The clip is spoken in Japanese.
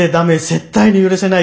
絶対に許さない。